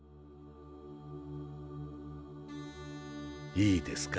いいですか？